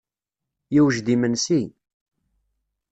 Yewjed yimensi.